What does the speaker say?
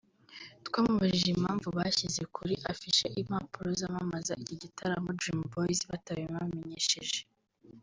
twamubajije impamvu bashyize kuri affiche(impapuro zamamaza iki gitaramo) Dream Boyz batabibamenyesheje